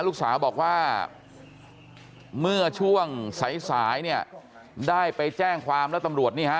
ลูกสาวบอกว่าเมื่อช่วงสายสายเนี่ยได้ไปแจ้งความแล้วตำรวจนี่ฮะ